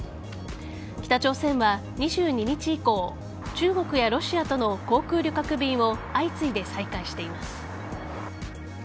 北朝鮮は２２日以降中国やロシアとの航空旅客便を相次いで再開しています。